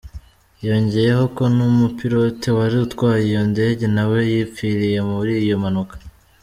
Yongeyeho ko n'umupilote wari utwaye iyo ndege na we yapfiriye muri iyo mpanuka.